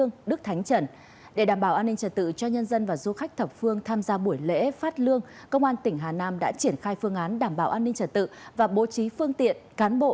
nhiều chiến sĩ tham gia đảm bảo an ninh trật tự trật tự an toàn giao thông phòng chống cháy nổ